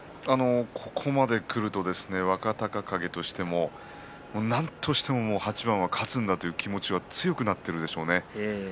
ここまでくると若隆景としてもなんとしても８番勝つんだという気持ちが強くなっているでしょうね。